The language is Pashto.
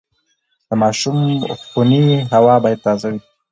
د ماشوم خونې هوا باید تازه وي۔